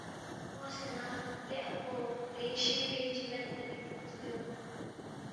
اونگسے نہ، لے اپو دِرِنگ شِنگ بِنگ چی میدپا دِکھہ دُوکسے یود